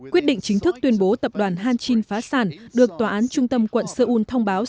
quyết định chính thức tuyên bố tập đoàn hanjin phá sản được tòa án trung tâm quận sơ un thông báo